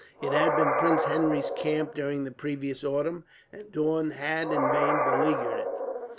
It had been Prince Henry's camp during the previous autumn, and Daun had in vain beleaguered it.